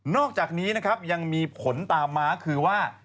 นอกจากนี้ยังมีผลตามมาคือว่า